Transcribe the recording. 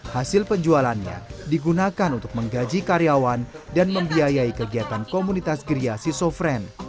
hasil penjualannya digunakan untuk menggaji karyawan dan membiayai kegiatan komunitas griasi sofren